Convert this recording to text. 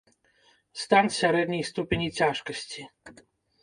Стан сярэдняй ступені цяжкасці.